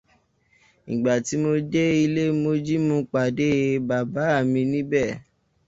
Ìgbà tí mo dé ilé Mojí, mo pàdé bàbá mi níbẹ̀.